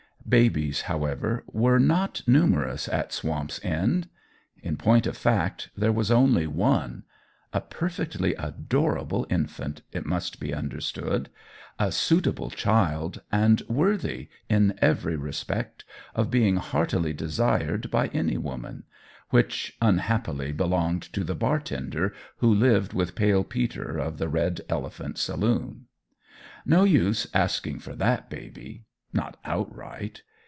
Babies, however, were not numerous at Swamp's End; in point of fact, there was only one a perfectly adorable infant, it must be understood, a suitable child, and worthy, in every respect, of being heartily desired by any woman which unhappily belonged to the bartender who lived with Pale Peter of the Red Elephant saloon. No use asking for that baby! Not outright.